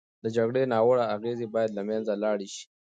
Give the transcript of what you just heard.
د جګړې ناوړه اغېزې باید له منځه لاړې شي.